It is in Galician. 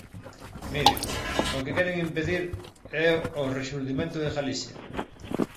Miren, o que queren impedir é o rexurdimento de Galicia.